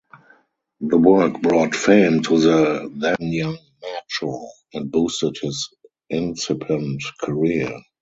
The work brought fame to the then young Macho and boosted his incipient career.